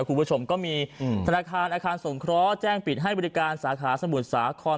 คุณผู้ชมก็มีธนาคารอาคารสงเคราะห์แจ้งปิดให้บริการสาขาสมุทรสาคร